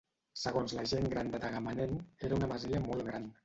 Segons la gent gran de Tagamanent, era una masia molt gran.